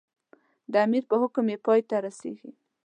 د امیر په حکم یې پای ته رسېږي.